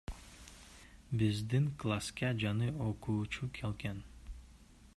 Биздин класска жаңы окуучу келген.